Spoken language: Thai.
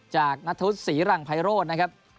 จากนัทธุสีรังไพโรศนะครับ